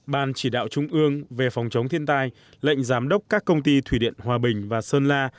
ban chỉ đạo trung ương về phòng chống thiên tai lệnh giám đốc các công ty thủy điện hòa bình và sơn la